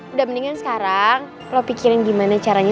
udah mendingan sekarang lo pikirin gimana caranya